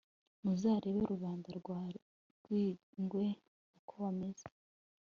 muzarebe rubanda rwa rwingwe uko bameze